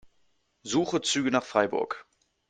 Suche Züge nach Freiburg.